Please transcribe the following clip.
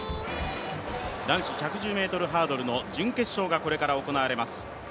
男子１１０ｍハードルの準決勝がこれから行われます。